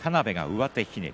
上手ひねり。